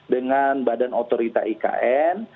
dengan badan otorita ikn